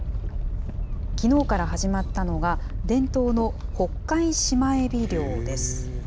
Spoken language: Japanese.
きのうから始まったのが、伝統のホッカイシマエビ漁です。